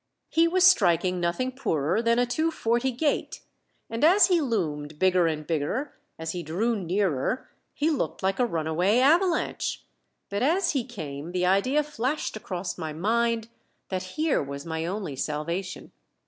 He was striking nothing poorer than a two forty gait, and as he loomed bigger and bigger as he drew nearer he looked like a runaway avalanche; but as he came the idea flashed across my mind that here was my only salvation.